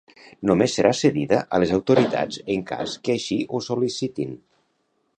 només serà cedida a les autoritats en cas que així ho sol·licitin